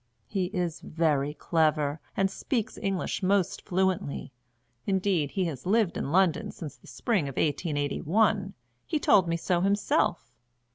He is very clever, and speaks English most fluently, indeed he has lived in London since the spring of 1881 he told me so himself.